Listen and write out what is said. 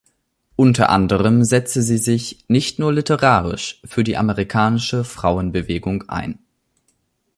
Unter anderem setzte sie sich nicht nur literarisch für die amerikanische Frauenbewegung ein.